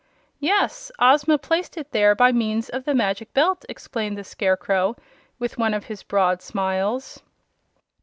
"Yes; Ozma placed it there by means of the Magic Belt," explained the Scarecrow, with one of his broad smiles.